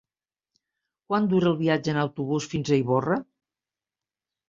Quant dura el viatge en autobús fins a Ivorra?